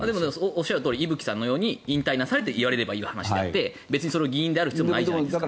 おっしゃるとおり伊吹さんのように引退なされても言われればいいわけであって別に議員である必要もないじゃないですか。